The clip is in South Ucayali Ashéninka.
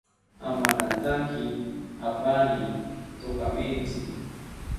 Amanantaki apani tonkamentzi